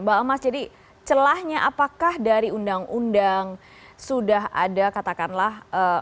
mbak emas jadi celahnya apakah dari undang undang sudah ada katakanlah